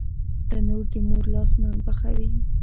تنور د مور لاس نان پخوي